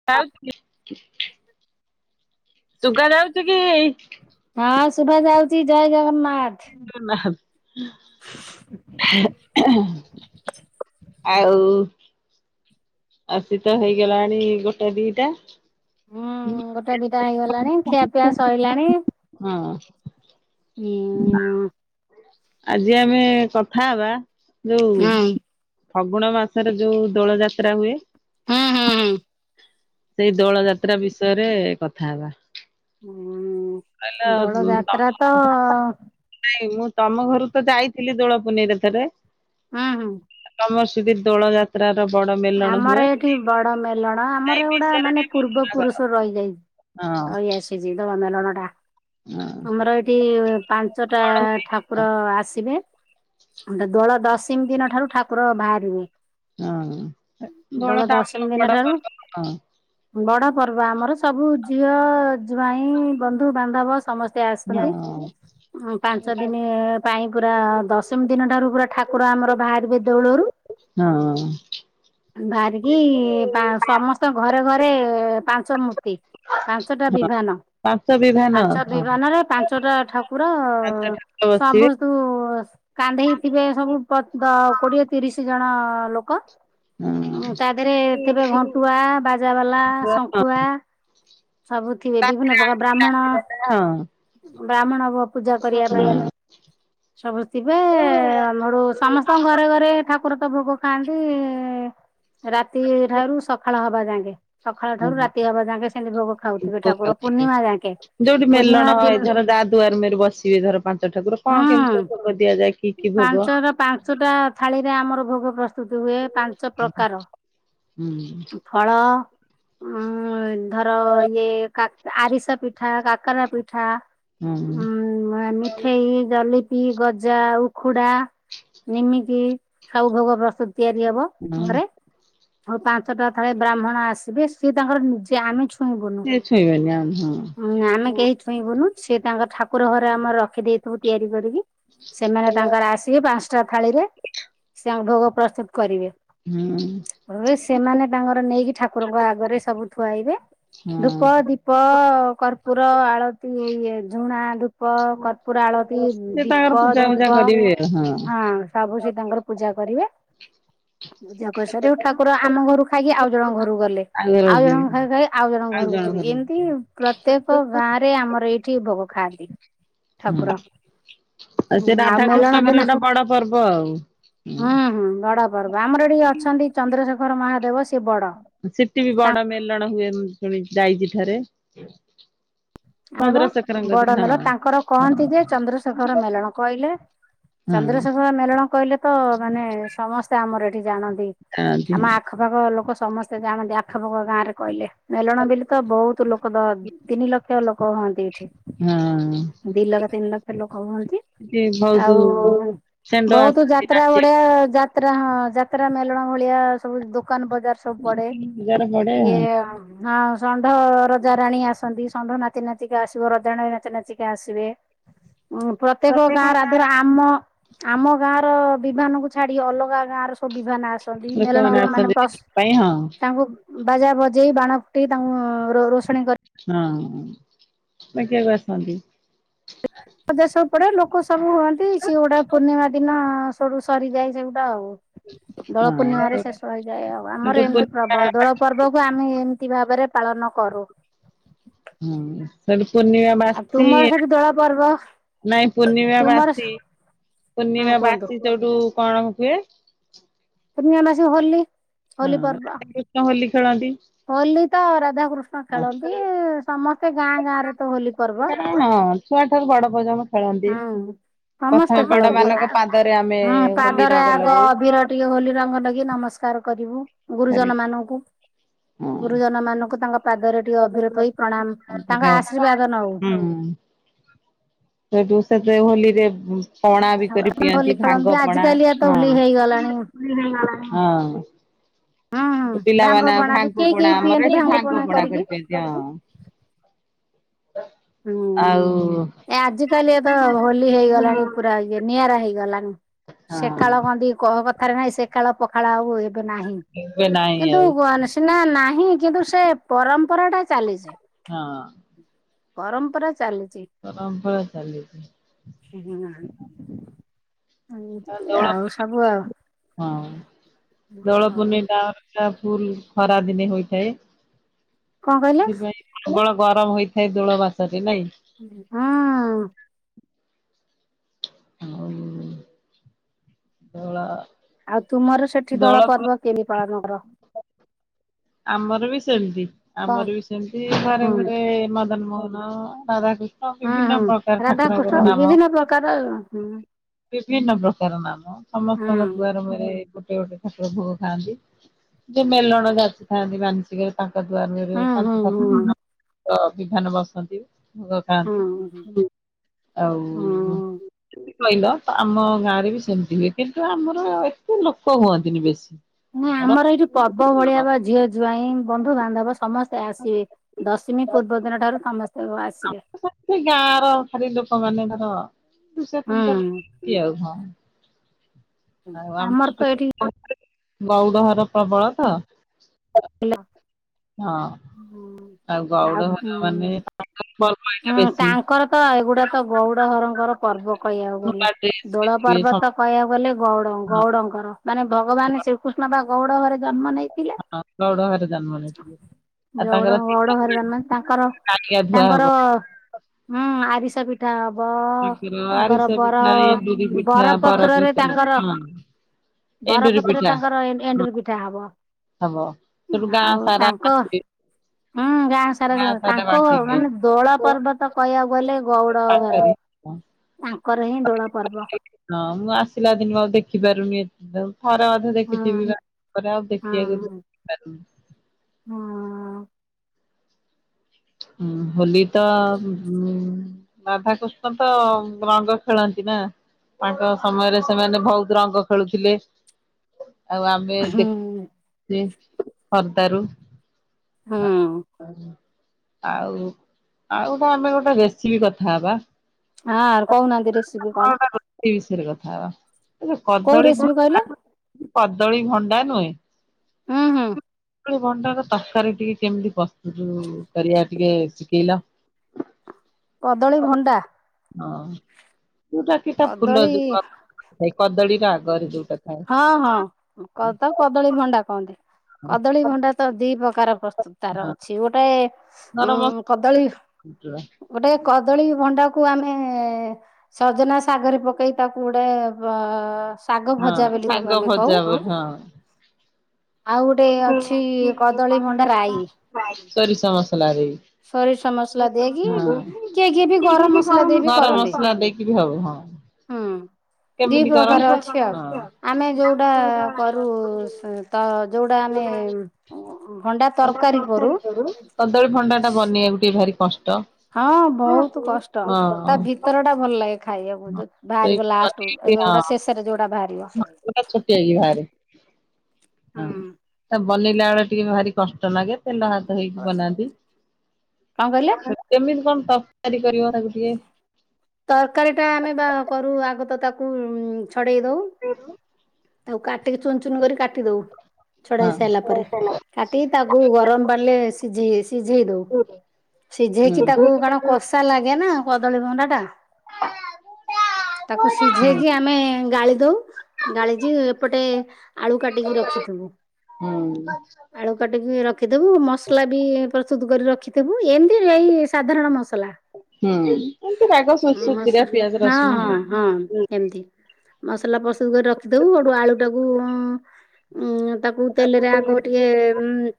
[unintelligible] ସୁୁବା ଯାଉଚି କି? ହଁ ଶୁଭା ଯାଉଚି ଜଏ ଜଗନ୍ନାଥ। ଜଗନାଥ ହେ ଏ ହେ ହେ। ଆଉ ଆସି ତ ହେଇଗଲାଣି ଗୋଟେ ଦିଟା। ହୁଁ ଗୋଟେ ଦିଟା ହେଇଗଲାଣି ଖିଆପିଆ ସଇଲାଣି। ହୁଁ। ଉଁ ଆଜି ଆମେ କଥା ହବା ଯୋଉ ହୁଁ ଫଗୁଣ ମାସରେ ଯୋଉ ଦୋଳ ଯାତ୍ରା ହୁଏ। ହୁଁ ହୁଁ ହୁଁ। ସେଇ ଦୋଳ ଯାତ୍ରା ବିଷୟରେ କଥା ହେବା। ହୁଁ ଦୋଳ ଯାତ୍ରା ତ ନାଇଁ ମୁଁ ତମ ଘରୁ ତ ଯାଇଥିଲି ଦୋଳ ପୁନେଇ ରେ ଥରେ। ଉଁ ହୁଁ। ତମର ସେଇଟି ଦୋଳ ଯାତ୍ ଯାତ୍ର ର ବଡ ମେଲଣ ଆମର ହୁଏ। ଏଠି ବଡ ମେଲଣ ଆମର ସେଇ ଏଗୁଡା ବିଷୟ ରେ ମାନେ ଟିକେ ପୂର୍ବ ବର୍ଣ୍ଣନା କର? ପୁରୁଷରୁ ରହିଯାଇଛି। ହଁ [unintelligible] ହଁ ଆମର ଏଠି ପାଞ୍ଚଟା ଠା କଣ ହୁଏ ଠାକୁର ଆସିବେ ଦୋଳ ଦଶମୀ ଦିନ ଠାରୁ ଠାକୁର ବାହାରିବେ। ହଁ। ଦୋଳ ଟା ଆମର ଦଶମୀ ଦିନ ବଡ ଠାରୁ ପର୍ବ ହଁ। ବଡ ପର୍ବ। ଆମର ସବୁ ଝିଅ ଜ୍ୱାଇଁ, ବନ୍ଧୁ ବାନ୍ଧବ ସମସ୍ତେ ଆସନ୍ତି। ହଁ। ପାଞ୍ଚ ଦିନି ପାଇଁ ପୁରା ଦଶମି ଦିନ ଠାରୁ ପୁରା ଠାକୁର ଆମର ବାହାରିବେ ଦେଉଳରୁ। ହଁ। ବାହାରିକି ପା ସମସ୍ତ ଘରେ ଘରେ ପା ପାଞ୍ଚମୂର୍ତ୍ତି, ପାଞ୍ଚଟା ବିଭାନ। ପାଞ୍ଚ ବିଭା ପାଞ୍ଚ ବିମାନରେ ପାଞ୍ଚଟା ଠାକୁର ପାଞ୍ଚ ଠାକୁର ବସିଥିବେ। ସବୁ ତୁ କାନ୍ଦେଇଥିବେ ସବୁ, ପ ଦ କୋଡିଏ ତିରିସି ଜଣ ଲୋକ। ତା ଦେହେରେ ଥିବେ ଘଣ୍ଟୁଆ, ବାଜାବାଲା, ହଁ ହଁ। ଶଙ୍ଖୁଆ ସବୁ ଥିବେ। ବିଭିନ୍ନ ପ୍ରକାର ବ୍ରାହ୍ମଣ ବ୍ରାହ୍ମଣ ପୂଜା କରିବା ପାଇଁ ସବୁ ଥିବେ, ଆମର ସମସ୍ତଙ୍କ ଘରେ ଘରେ ଠାକୁର ତ ଭୋଗ ଖାଆନ୍ତି ରାତି ଠାରୁ ସକାଳ ହବା ଯାଙ୍କେ। ସକାଳ ଠାରୁ ରାତି ହବା ଯାଙ୍କେ ସେମିତି ଭୋଗ ଖାଉଥିବେ ଠାକୁର। ପୂର୍ଣ୍ଣିମା ଯାଙ୍କେ ଯୋଉଠି ମେଲଣ ପୂର୍ଣ୍ଣିମା ହଏ ଦିନ ଧର ଯା ଦୁଆର ମୁହଁରେ ବସିବେ ଧର ପାଞ୍ଚ ଠାକୁର କଣ ହୁଁ। କେମିତି ଭୋଗ ଦିଆଯାଏ କି କି ଭୋଗ? ପାଞ୍ଚର ପାଞ୍ଚଟା ଥାଳି ରେ ଆମର ଭୋଗ ପ୍ରସ୍ତୁତ୍ ହୁଏ। ପାଞ୍ଚ ପ୍ରକାର। ହୁଁ ଫଳ, ଉଁ ଧର ଇଏ, ଆରିସ ପିଠା, କାକରା ପିଠା ହୁଁ ଉଁ, ମା ମି ଠେଇ ଜଲିପି ଗଜା, ଉଖୁଡା ନିମିତିି ସବୁ ଭୋଗ ପ୍ରସ୍ତୁତ୍। ତିଆରି ହବ ହୁଁ ଘରେ। ହଁ ପାଞ୍ଚଟା ଥଳେ ବ୍ରାହ୍ମଣ ଆସିବେ, ସିଏ ତାଙ୍କର ନିଜେ ଆମେ ଛୁ ଇଁ ବୁନୁୁ, ସେ ଛୁଇଁବେନି ଆଉ ହଁ। ଆମେ କେହି ଛୁଇଁ ବୁନୁ। ସେ ତାଙ୍କର ଠାକୁର ଘରେ ଆମର ରଖି ଦେଇେଇଥିବୁ ତିଆରି କରିକି। ସେମାନେ ତାଙ୍କର ଆସି ଟିକେ ପାଞ୍ଚଟା ଥାଳିରେ, ସେ ଆମ ଭୋଗ ପ୍ରସ୍ତୁତ୍ କରିବେ। ହୁଁ। ହ ସେମାନେ ତାଙ୍କର ନେଇକି ଠାକୁରଙ୍କ ଆଗରେ ସବୁ ଥୁଆଇବେ। ହଁ। ଧୂପ, ଦୀପ ଧୂପ, କର୍ପୁର ଆଳତି ଇଏ ଝୁଣା ଧୂପ ଧୂପ କର୍ପୁର ଆଳତି ସେ ତାଙ୍କର ଦୀପ, ପୂଜା ଫୂଜା ଧୂପ କରିବେ ଆଉ ହଁ। ସବୁ ସେ ତାଙ୍କର ପୂଜା କରିବେ। ପୂଜା କରିସାରିବୁ ଠାକୁର ଆମ ଘରୁ ଖାଇକି ଆଉ ଜଣ ଘରୁକୁ ଗଲେ। ଘର ଆଉ ଯିବେ ଜଣଙ୍କ ଖାଇ ଖାଇ ଆଉ ଜଣଙ୍କ ଘରକୁ ଯିବି ଏମିତି ପ୍ରତ୍ୟେକ ଗାଁ ରେ ରେ ଆମର ଏଇଠି ଭୋଗ ଖାଆନ୍ତି। ହୁଁ। ଠାକୁର ଆଉ ସେ ଆଉ ରାଧା, ମେଲଣ କୃଷ୍ଣଙ୍କର ଦିନ ଗୋଟେ ବଡ ପର୍ବ ଆଉ। ହୁଁ ହୁଁ ବଡ ପର୍ବ ଆମର ଏଠି ଅଛନ୍ତି ଚନ୍ଦ୍ରଶେଖର ମହାଦେବ, ସିଏ ବଡ ସେଠି ବି ବଡ ମେଲଣ ହୁଏ ମୁ ଶୁଣିଛି ଯାଇଛି ଥରେ। ଦେବ ଚନ୍ଦ୍ରଶେଖରଙ୍କ ବଡ କତିରେ ମେଲ ତାଙ୍କର ହଁ କହନ୍ତି ଯେ ଚନ୍ଦ୍ରଶେଖର ହ। ମେଲଣ ହଁ। ମେଳଣ କହିଲେ ତ ମାନେ ସମସ୍ତେ ଆମର ଏଠି ଜାଣନ୍ତି ଯାଆନ୍ତି ଆମ ହଁ। ଆଖ ପାଗ ଲୋକ ସମସ୍ତେ ଯାଣନ୍ତି ଆଖପାଖ ଗାଁ ରେ କହିଲେ ମେଲଣ ବିଲି ତ ବୋହୁତ ଲୋକ ଦ ତିନି ଲକ୍ଷ ଲୋକ ହୁଅନ୍ତି ଏଠି ହଁ ଦି ଲକ୍ଷ ତିନି ଲକ୍ଷ ଲୋକ ହୁଅନ୍ତି। ସେଠି ବହୁତ ଆଉ ମନେ ଷେଣ୍ଢ ବୋହୁତ ଆସନ୍ତି ଯାତ୍ରା ଭଳିଆ ଯାତ୍ରା ହଁ ଯାତ୍ରା ମେଳଣ ଭଳିଆ ସବୁ ଦୋକାନ ବଜାର ସବୁ ପଡେ ନାଚିବାକୁ। ଜାର ପଡେ ଇଏ ହଁ ହଁ ଷଣ୍ଢ ରଜା ରାଣୀ ଆସନ୍ତି ସବୁ। ଷଣ୍ଢ ନାଚି ନାଚିକା ଆସିବ ରଜା ରାଣୀ ନାଚି ନାଚିକା ଆସିବେ ଉ ପ୍ରତ୍ୟେକ ଗାଁ ରାଧର ଆଁ ଆମ ଆମ ଗାଁ ର ବିଭାନକୁୁ ଛାଡି ଅଲଗା ଗାଁର ସବୁ ବିବାନା ଆସନ୍ତି ମେଲଣ ଲୋକମାନେ ମାନେ ଆସନ୍ତି ପ୍ରସ୍ ଦେଖିବା ପାଇଁ ହଁ। ତାଙ୍କୁ ବାଜା ବଜେଇ ବାଣ ଫୁଟେଇ ତାଙ୍କୁ ରୋ ରୋଷଣୀ କରି ହଁ ଦେଖିବାକୁ ଆସନ୍ତି। ବଜାର ସବୁ ପଡେ ଲୋକ ସବୁ ହୁଅନ୍ତି ସେ ଗୁଟା ପୂର୍ଣ୍ଣିମା ଦିନ ସଡୁ ସରିଯାଏ ସେଗୁଟା ଆଉ। ଦୋଳ ହଁ ପୂର୍ଣ୍ଣିମାରେ ଶେଷ ହେଇଯାଏ ଆଉ ସେଠୁ ଆମର ଏମତି ପୂର୍ଣ୍ଣିମା ପ୍ରବ ଦୋଳ ପର୍ବକୁ ଆମେ ଏମତି ଭାବରେ ପାଳନ କରୁ। ହୁଁ ହେଟି ପୁନିଅ ଆଉ ବାସି ତୁମର ନା ସେଠି ଦୋଳ ପର୍ବ ନାଇଁ ପୂର୍ଣ୍ଣିମା ତୁମର ବାସି। ହଁ ପୂର୍ଣ୍ଣିମା କୁହନ୍ତୁ ବାସି ଯୋଉଠୁ କଣ ହୁଏ? ପୂର୍ଣ୍ଣିମା ବାସି କି ହୋଲି। ହୋଲି ପର୍ବ। ହଁ ଏକୃଷ୍ଣ ହୋଲି ଖେଳନ୍ତି। ହୋଲି ତ ରାଧା କୃଷ୍ଣ ଖେଳନ୍ତି ସମସ୍ତେ ଗାଁ ଗାଁ ରେ ତ ହୋଲି ପର୍ବ। ହଁ ଛୁଆ ଠାରୁ ବଡ ପର୍ଯ୍ୟନ୍ତ। ଖେଳନ୍ତି ହୁଁ ସମସ୍ତେ ପ୍ରଥମେ ବଡ ଖେଳନ୍ତି ଆ ମାନଙ୍କ ପାଦରେ ଆମେ ହଁ ହୋଲି ପାଦରେ ରଙ୍ଗ ଆଗ ଲଗଉ। ଅବିର ଟିକେ ହୋଲି ରଙ୍ଗ ଲଗି ନମସ୍କାର କରିବୁ ଆରେ ଗୁରୁଜନ ମାନକୁ। ହଁ ଗୁରୁଜନ ମାନଙ୍କୁ ତାଙ୍କ ପାଦରେ ଟିକେ ଅଭିର ଥୋଇ ହୋଇ ପ୍ରଣାମ ତାଙ୍କ ଆଶୀର୍ବାଦ ନଉ। ହେଟୁ ସେତେ ହୋଲିରେ ପଣା ବି କରି ହୋଲି ପିଅନ୍ତି ଖେଳନ୍ତି ଭାଙ୍ଗ ପଣା ଆଜିକାଲିଆ ତ ହୋଲି ହେଇଗଲାଣି ହଁ ହଁ। ହୁଁ ହୁଁ ଭାଙ୍ଗ ପିଲାମାନେ ପଣା ବି ଭାଙ୍ଗ କେହି ପଣା କେହି ଆମର ପିଅନ୍ତି ଭାଙ୍ଗ ପଣା କରିକି। କରିପିଅନ୍ତି ହଁ। ହୁଁ ଆଉ ଏ ଆଜିକାଲି ତ ହୋଲି ହେଇଗଲାଣି ପୁରା ଇଏ ରେ ନିଆରା ହେଇଗଲାଣି ହଁ ସେକାଳ କନ୍ତି କହ କଥାରେ ନାଇଁ ସେକାଳ ପଖାଳ ଆଉ ନାହିଁ ଏବେ ନାହିଁ କିନ୍ତୁ ଆଉ ଗର୍ ସିନା ନାହିଁ କିନ୍ତୁ ସେ ପରମ୍ପରା ଟା ଚାଲିଚି। ହଁ। ପରମ୍ପରା ଚାଲିଚି। ପରମ୍ପରା ଚାଲିଚି। ହ। ଆଁ ଦୋଳ ଆଉ ହଁ ଦୋଳ ପୂର୍ଣେଇଟା ଫୁଲା ଫୁଲ୍ ଖରା ଦିନେ ହୋଇଥାଏ କଣ କହିଲେ? ସେଥିପାଇଁ ପବଳ ଗରମ ହେଇଥାଏ ଦୋଳ ବାସ ଯେ ନାଇଁ। ହଁ ଅ। ହଉ ଧଳା ଆଉ ତୁମର ସେଠି ଦୋଳ ପର୍ବ କେମି ପାଳନ କର? ଆମର ବି ସେମତି କଣ ଆମର ବି ସେମତି ଘରେ ହୁଁ ଘରେ ମଦନ ମୋହନ ରାଧାକୃ ନ ହୁଁ ବିଭିନ୍ନ ହୁଁ ପ୍ରକାର ରାଧାକୃଷ୍ଣ ଠାକୁରଙ୍କର ନାମ ବିଭିନ୍ନ ପ୍ରକାର ହୁଁ ବିଭିନ୍ନ ପ୍ରକାର ନାମ ସମସ୍ତଙ୍କ ହୁଁ। ଦୁଆର ମୁହଁରେ ଗୋଟେ ଗୋଟେ ଠାକୁର ଭୋଗ ଖାଆନ୍ତି ଯିଏ ମେଲଣ ଯାଚିଥାନ୍ତି ମାନସିକ ତାଙ୍କ ଦୁଆରେ ହୁଁ ମୁହଁରେ ହୁଁ ପାଞ୍ଚ ସାତ ବିଭାନ ବସନ୍ତି ଭୋଗ ଖାଆନ୍ତି ହୁଁ ହୁଁ ଆଉ ହୁଁ। କହିଲ ଆମ ଗାଁରେ ବି ସେମିତି ହୁଏ କିନ୍ତୁ ଆମର ଏତେ ଲୋକ ହୁଅନ୍ତିନି ବେଶୀ। ନାଁ ଆମର ଏଇଠି ପର୍ବ ଭଳିଆ ବା ଝିଅ ଜ୍ଵାଇଁ ବନ୍ଧୁବାନ୍ଧବ ସମସ୍ତେ ଆସିବେ ଦଶମୀ ପୂର୍ବ ଦିନ ଠାରୁ ସମସ୍ତେ ଆସିବେ। ସେଇ ଗାଁର ଖାଲି ଲୋକମାନେ ଧର ଦୁଇଶହ ତିନିଶହ ହୁଁ ଲୋକ। ଆମର ତ ଏଠି [unintelligible] ଗଉଡ଼ ଘର ପ୍ରବଳ ତ ହଁ ଆଉ ଗଉଡ଼ ଘର ମାନେ ବରପଇଟା ହୁଁ ବେଶୀ ତାଙ୍କର ତ ଏଗୁଡା଼ ତ ଗଉଡ଼ ଘରଙ୍କର ପର୍ବ କହିବାକୁ ଗଲେ। ନୂଆ ଡ୍ରେସ ଦୋଳା ପିନ୍ଧିବେ ପର୍ବ ସମ ତ କହିବାକୁ ଗଲେ ଗଉଡ଼ ହଁ ଗଉଡ଼ଙ୍କର ମାନେ ଭଗବାନ ଶ୍ରୀକୃଷ୍ଣ ବା ଗଉଡ଼ ଘରେ ଜନ୍ମ ନେଇ ହଁ ଗଉଡ ଘରେ ଜନ୍ମ ନେଇଥିଲେ ଆଉ ଯୋଉ ତାଙ୍କର ଡ଼ ଗଉଡ଼ ଘରେ ତିନି ନେଇଥିଲେ ତାଙ୍କର [unintelligible] ତାଙ୍କର ହୁଁ ଆରିସା ପିଠା ପିଠା ହବ ତାଙ୍କର ତାଙ୍କର ଆରିସା ବର ପିଠା, ଏଣ୍ଡୁରି ପିଠା, ବର ବରା ପତ୍ରରେ ପିଠା ତାଙ୍କର ହଁ। ଏଣ୍ଡୁରି ବରପତ୍ରରେ ପିଠା ତାଙ୍କର ହଁ ଏଣ୍ଡୁୁରି ପିଠା ହବ। ହବ ତେଣୁ ଗାଁ ଆଉ ସାରା ତାଙ୍କ ଆସିବେ। ହୁଁ ଗାଁ ସାରା ତାଙ୍କ ବାଣ୍ଟିବେ ମାନେ ଦୋଳ ପର୍ବ ତ କହିବାକୁ ଗଲେ ଗଉଡ଼ ଘର ତାଙ୍କରି ତାଙ୍କର ହିଁ ଦୋଳ ପର୍ବ। ହଁ ମୁଁ ଆସିଲା ଦିନୁ ଆଉ ଦେଖିପାରୁନି ଏଠି ତ ଆଉ ଥରେ ଅଧେ ହୁଁ ଦେଖିଥିବି ବା ତାପରେ ଆଉ ହଁ ଦେଖି। [unintelligible] ହଁ। ହୁଁ ହୋଲି ତ ରାଧାକୃଷ୍ଣ ତ ରଙ୍ଗ ଖେଳନ୍ତି ନା। ତାଙ୍କ ସମୟରେ ସେମାନେ ଭଉତ ରଙ୍ଗ ଖେଳୁଥିଲେ। । ଆଉ ଆମେ ହୁଁ ଦେଖିଚେ ସରଦାରୁ ହଁ। ଆଉ ଆଉ କଣ ପେଇଁ ଗୋଟେ ରେସିପି କଥା ହେବା। ହଁ ଆର କହୁନାହାନ୍ତି ରେସି କୋଉ ରେସିପି କହିଲେ [unintelligible] କଦଳୀ, ଭଣ୍ଡା ନୁହେଁ ହୁଁ ହୁଁ। କଦଳୀ, ଭଣ୍ଡାକୁ ତରକାରୀ ଟିକେ କେମିତି ପ୍ରସ୍ତୁତ କରିବା ଟିକେ ଶିଖେଇଲ? [inaudible] କଦଳୀ, ଭଣ୍ଡା ହଁ ଯୋଉଟା କି ତା ଫୁଲ କଦଳୀ ଯୋଉଟା କଦଳୀର ଆଗରେ ଯୋଉଟା ଥାଏ। କଦ କଦଳୀ ଭଣ୍ଡା କହନ୍ତି ହଁ କଦଳୀ ଭଣ୍ଡା ତ ଦି ପ୍ରକାର ପ୍ରସ୍ତୁତ ତାର ହଁ ଅଛି ଗୋଟେ ଉଁ ଗରମ କଦଳୀ ମସଲା ଗୋଟେ କଦଳୀ ଭଣ୍ଡାକୁ ଆମେ ସଜନା ଶାଗରେ ପକେଇ ତାକୁ ଗୋଟେ ଶାଗ ଭଜା ହଁ ବୋଲି ତାକୁ ଶାଗ ଆମେ କହୁ ଭଜାହୁଏ ହଁ ଆଉ ଗୋଟେ ଅଛି କଦଳୀ ଭଣ୍ଡା ରାଇ ସୋରିଷ ମସଲା ଦେଇ ମସଲା ସୋରିଷ ଦେଇକି ମସଲା କିଏ କିଏ ବି ଗରମ ଦେଇକି କି ମସଲା ଦେଇ ବି ଗରମ କରନ୍ତି ମସଲା ଦେଇକି ବି ହବ ହଁ। ହୁଁ ଦି କେମିତି କର? ପ୍ରକାର ଅଛି ଆଉ। ଆମେ ଯୋଉଟା କରୁ ତ ଯୋଉଟା ଆମେ ଭଣ୍ଡା ଭଣ୍ଡା ତରକାରି କରୁ, କଦଳୀ ଭଣ୍ଡା ଟା ବନେଇବାକୁ ଟିକେ ଭାରି କଷ୍ଟ। ହଁ ବହୁତୁ କଷ୍ଟ, ତା ଭିତରଟା ଭଲ ଲାଗେ ଖାଇବାକୁ ଯୋଉ ସେଇ ଭାରିବ ଲା ହଁ ଲାଷ୍ଟକୁ ଯୋଉଗୁଡା ଶେଷରେ ଯୋଉଗୁଡା ଭାରିବ। ଛୋଟିଆ କି ବାହାରେ ହୁଁ। ତ ବନେଇଲା ବେଳେ ଟିକେ ଭାରି କ ଷ୍ଟ ଲାଗେ ତେଲ ହାତ ହେଇକି କଣ ବନାନ୍ତି। କହିଲେ? କେମିତି କଣ ତରକାରୀ କରିବ ତାକୁ ଟିକେ? ତରକାରୀଟା ଆମେ ବା କରୁ ଆଗ ତ ତାକୁ ଛଡ଼େଇ ଦେଉ। ସେ [inaudible] ତାକୁ କାଟିକି ଚୁନ୍ ଚୁନ୍ କରି କାଟି ଦଉ। ଛଡେଇ ହଁ। ସାଇଲା ପରେ କାଟିିକି ତାକୁ ଗରମ୍ ପାଣିରେ ସିଝେଇ-ସିଝେଇ ଦଉ। ସିଝେଇକି ତାକୁ କରଣ କଷା ଲାଗେ ନା କଦଳୀ ଭଣ୍ଡାଟା। ତାକୁ ହୁଁ। ସିଝେଇକି ଆମେ ଗାଳିଦଉ, ଗାଳି ଏପଟେ ଆଳୁ କାଟିକି ରଖିଥବୁ। ହୁଁ ହୁଁ ଆଳୁ କାଟିକି ରଖିଥବୁ ମସଲା ବି ପ୍ରସ୍ତୁତ କରି ରଖିଥବୁ, ଏମ୍ତି ଏଇ ସାଧାରଣ ମସଲା। ଏମିତି ରାଗ ମସ ସୁଜିରା ପିଆଜ ରସୁଣ ହଉ। ହଁ-ହଁ-ହଁ ହୁଁ ଏମ୍ତି। ମସଲା ପ୍ରସ୍ତୁତ କରି ରଖିଥବୁ, ସେଉଟୁ ଆଳୁ ଟାକୁ ଉଁ-ଉଁ ତାକୁ ତେଲେରେ ଆଗ ଟିକେ ଉଁ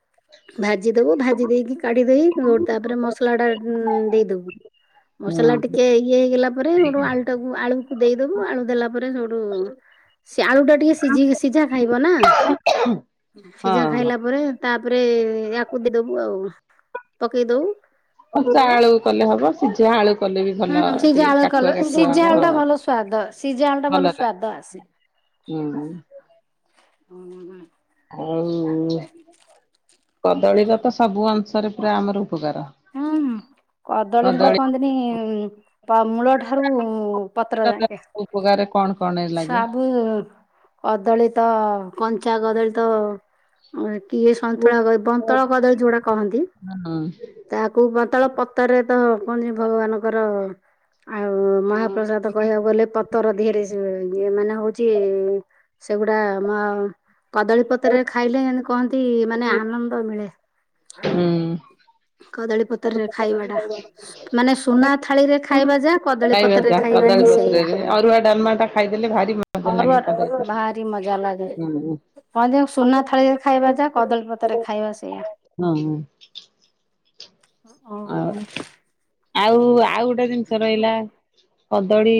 ଭାଜିଦବୁ ଭାଜି ଦେଇକି କାଢିଦେଇ [unintelligible] ତାପରେ ମସଲାଟା ଦେଇଦବୁ। ମସଲା ଟିକେ ଇଏ ହେଇଗଲା ପରେ ସେଉଟୁ ଆଳୁଟାକୁ ଆଳୁକୁ ଦେଇଦବୁ, ଆଳୁ ଦେଲା ପରେ ସୋଉଟୁ ସିଏ ଆଳୁଟା ଟିକେ ସିଝି ସିଝା ଖାଇବ ନା, ସିଝା ହଁ ଖାଇଲା ପରେ ତାପରେ ୟାକୁ ଦେଇଦବୁ ଆଉ, ପକେଇଦବୁ କଞ୍ଚା ଆଳୁ କଲେ ହବ, ସିଝା ଆଳୁ କଲେ ବି ଭଲ ହୁଁ ସିଝା ଟିକେ ଆଳୁ କଲ କାଠୁଆ-କାଠୁଆ ସିଝା ଆଳୁ ହେବ, ଟା ହଁ ଭଲ ସ୍ଵାଦ ସିଝା ଆଳୁ ଟା ଭଲ ଭଲଲାଗେ। ସ୍ଵାଦ ଆସେ। ହୁଁ। [inaudible] ଆଉ କଦଳୀର ତ ସବୁ ଅଂଶରେ ପୁରା ଆମର ଉପକାର। ହୁଁ [inaudible] କଦଳୀରେ ତ କଦଳୀ କହନ୍ତିନି ପ ମୂଳ ଠାରୁ ପତ୍ର ଯାଙ୍କେ [inaudible] କଣ-କଣ [unintelligible] ସବୁ କଦଳୀ ତ, କଞ୍ଚା କଦଳୀ ତ କିଏ ସନ୍ତୁଳା ବନ୍ତଳା କଦଳୀ ଯୋଉଟା କହନ୍ତି। ହୁଁ ତାକୁ [unintelligible] ପତର ରେ ତ କଣ ଭଗବାନଙ୍କର ଆଉ ମହାପ୍ରସାଦ କହିବାକୁ ଗଲେ ପତର ଧୀଏରେ ଇଏ-ଇଏ ମାନେ ହଉଚି ସେଗୁଡା ଆମ କଦଳୀ ପତ୍ରରେ ଖାଇଲେ କହନ୍ତି ମାନେ ଆନନ୍ଦ ମିଳେ। ହୁଁ। କଦଳୀ ପତର ରେ ଖାଇବା ଟା ମାନେ ସୁନା ଥାଳିରେ ଖାଇବା ଯା କଦଳୀ ଖାଇବା ପତର ରେ ଯା ଖାଇବା କଦଳୀ ହିଁ ସେଇଆ। ପତ୍ରରେ ଅରୁଆ ଡାଲ୍ମା ଟା ଖାଇଦଲେ ଭାରି ମଜା ଲାଗେ ଅରୁଆ ର କଦଳୀ ପତ୍ର ଭାରି ମଜା ଲାଗେ। ହୁଁ [unintelligible] ସୁନା ଥାଳିରେ ଖାଇବା ଯାହା କଦଳୀପତ୍ରରେ ଖାଇବା ସେଇଆ। ହୁଁ ଆଉ ଆଉ ଆଉ ସେ ଜିନିଷ ରହିଲା, କଦଳୀ